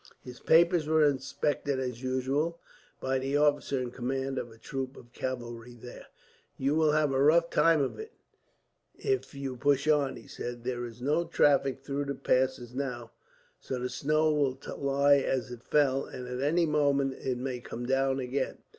His papers were inspected, as usual, by the officer in command of a troop of cavalry there. "You will have a rough time of it, if you push on," he said. "There is no traffic through the passes now, so the snow will lie as it fell, and at any moment it may come down again.